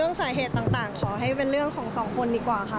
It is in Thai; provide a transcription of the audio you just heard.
สาเหตุต่างขอให้เป็นเรื่องของสองคนดีกว่าค่ะ